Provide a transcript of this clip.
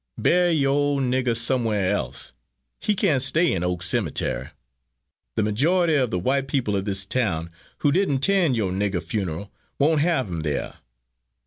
Berry yore ole nigger somewhar else. He can't stay in Oak Semitury. The majority of the white people of this town, who dident tend yore nigger funarl, woant have him there.